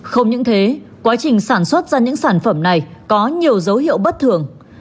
không những thế quá trình sản xuất ra những sản phẩm này có nhiều dấu hiệu bất thường